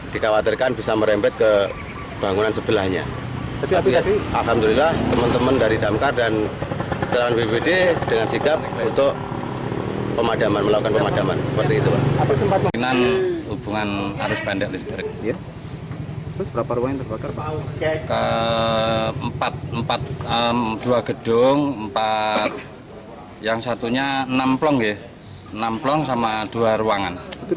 dua gedung yang satunya enam plong ya enam plong sama dua ruangan